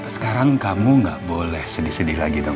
sekarang kamu nggak boleh sedih sedih lagi dong